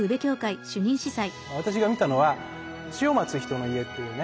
私が見たのは「死を待つ人の家」っていうね施設ですね。